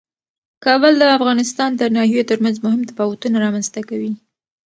کابل د افغانستان د ناحیو ترمنځ مهم تفاوتونه رامنځ ته کوي.